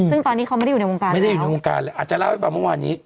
ซึ่งตอนนี้เขาไม่ได้อยู่ในรายการแล้วไม่ได้อยู่ในรายการเลยอาจจะเล่าให้บอกมาว่านี้